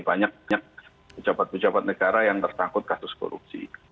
banyak banyak pejabat pejabat negara yang tersangkut kasus korupsi